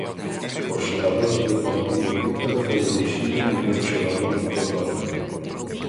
O xogador do Deportivo Víctor foi elixido mellor xogador do torneo.